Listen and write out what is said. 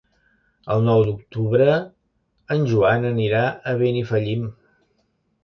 El nou d'octubre en Joan anirà a Benifallim.